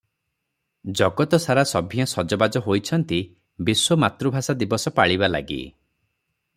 ଜଗତ ସାରା ସଭିଏଁ ସଜବାଜ ହୋଇଛନ୍ତି ବିଶ୍ୱ ମାତୃଭାଷା ଦିବସ ପାଳିବା ଲାଗି ।